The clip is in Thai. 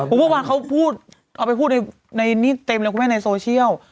โอ้ยคุณพ่อพ่อพูดเอาไปพูดในเต็มเลยคุณแม่ในโซเชียล